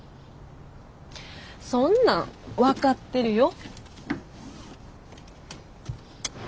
そんなん分かってるよ。